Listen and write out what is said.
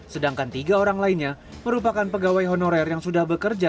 sedangkan tiga orang lainnya merupakan pegawai honorer yang sudah bekerja